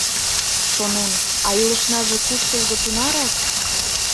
Шонем: а илышнаже куштылго тунарак?